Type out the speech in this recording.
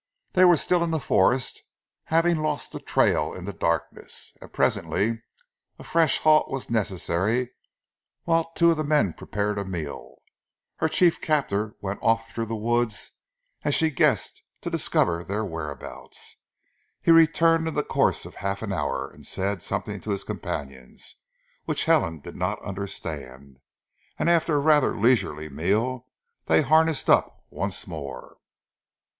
They were still in the forest, having lost the trail in the darkness, and presently a fresh halt was necessary, and whilst two of the men prepared a meal, her chief captor went off through the woods as she guessed to discover their whereabouts. He returned in the course of half an hour and said something to his companion which Helen did not understand; and after a rather leisurely meal they harnessed up once more.